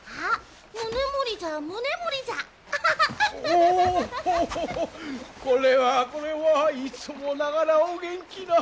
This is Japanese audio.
おホホホこれはこれはいつもながらお元気な。